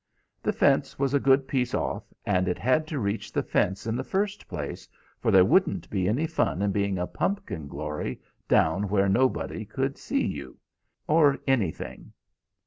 The fence was a good piece off, and it had to reach the fence in the first place, for there wouldn't be any fun in being a pumpkin glory down where nobody could see you, or anything.